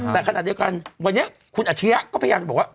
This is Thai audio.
แต่ขณะเดียวกันวันนี้คุณอัจฉริยะก็พยายามจะบอกว่า